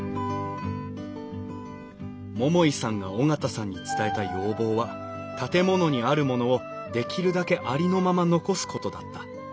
桃井さんが緒方さんに伝えた要望は建物にあるものをできるだけありのまま残すことだった。